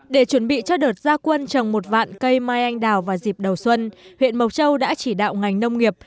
để chuẩn bị cho đợt gia quân trồng một vạn cây mai anh đào vào dịp đầu xuân huyện mộc châu đã chỉ đạo ngành nông nghiệp